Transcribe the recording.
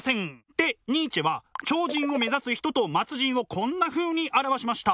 でニーチェは超人を目指す人と末人をこんなふうに表しました。